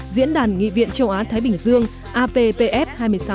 diễn đàn nghị viện châu á thái bình dương appf hai mươi sáu